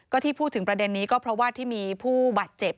ก็ที่พูดถึงประเด็นนี้ก็เพราะว่าที่มีผู้บาดเจ็บ